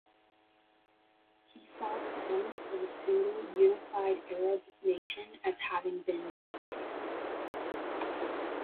He saw the promise of a single unified Arab nation as having been betrayed.